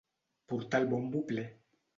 Portar el bombo ple.